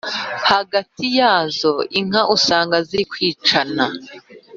hagati yazo inka usanga zirikwicana